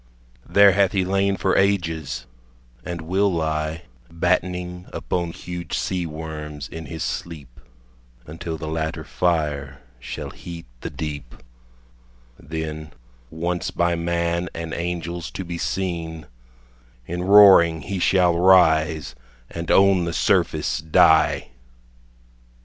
There hath he lain for ages, and will lie Battening upon huge sea worms in his sleep, Until the latter fire shall heat the deep; Then once by man and angels to be seen, In roaring he shall rise and on the surface die.